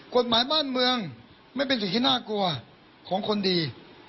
กฎหมายบ้านเมืองไม่เป็นสิ่งที่น่ากลัวของคนดี